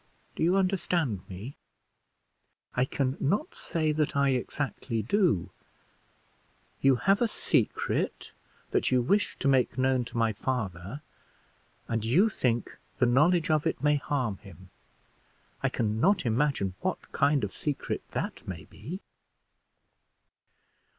Do you understand me?" "I can not say that I exactly do; you have a secret that you wish to make known to my father, and you think the knowledge of it may harm him. I can not imagine what kind of secret that may be."